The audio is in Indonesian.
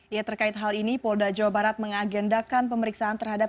ya terkait hal ini polda jawa barat mengagendakan pemeriksaan terhadap